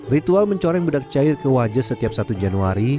ritual mencoreng bedak cair ke wajah setiap satu januari